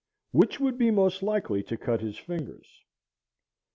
Which would be most likely to cut his fingers?...